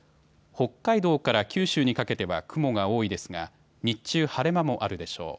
北海道から九州にかけては雲が多いですが日中、晴れ間もあるでしょう。